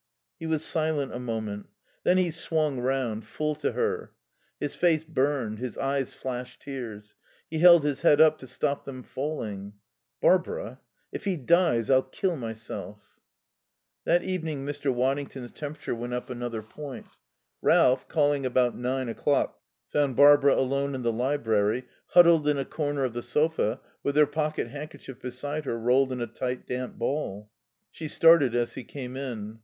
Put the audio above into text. He was silent a moment. Then he swung round, full to her. His face burned, his eyes flashed tears; he held his head up to stop them falling. "Barbara if he dies, I'll kill myself." That evening Mr. Waddington's temperature went up another point. Ralph, calling about nine o'clock, found Barbara alone in the library, huddled in a corner of the sofa, with her pocket handkerchief beside her, rolled in a tight, damp ball. She started as he came in.